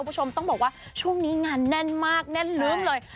คุณผู้ชมต้องบอกว่าช่วงนี้งานแน่นมากแน่นลืมเลย